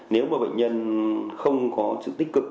nếu mà bệnh nhân không có sự tích cực